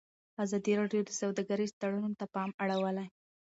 ازادي راډیو د سوداګریز تړونونه ته پام اړولی.